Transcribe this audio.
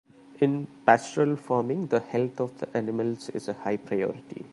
In pastoral farming the health of the animals is a high priority.